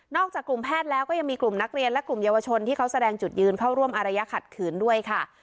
จากกลุ่มแพทย์แล้วก็ยังมีกลุ่มนักเรียนและกลุ่มเยาวชนที่เขาแสดงจุดยืนเข้าร่วมอารยะขัดขืนด้วยค่ะ